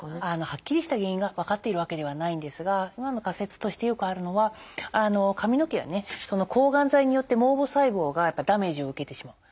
はっきりした原因が分かっているわけではないんですが今の仮説としてよくあるのは髪の毛はねその抗がん剤によって毛母細胞がダメージを受けてしまう。